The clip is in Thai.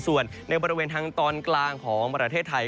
ส่วนในบริเวณทางตอนกลางของประเทศไทย